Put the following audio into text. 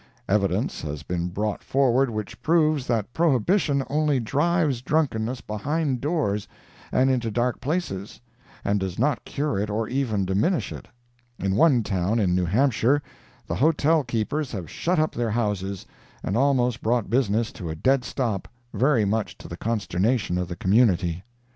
Evidence has been brought forward which proves that prohibition only drives drunkenness behind doors and into dark places, and does not cure it or even diminish it. In one town in New Hampshire, the hotel keepers have shut up their houses, and almost brought business to a dead stop, very much to the consternation of the community.